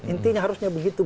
intinya harusnya begitu